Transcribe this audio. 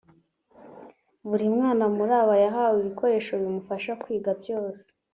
Buri mwana muri aba yahawe ibikoresho bimufasha kwiga byose